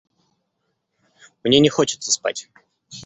Мне не хочется спать.